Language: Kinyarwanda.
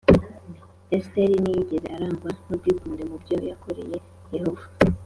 Esiteri ntiyigeze arangwa n ubwikunde mu byo yakoreye Yehova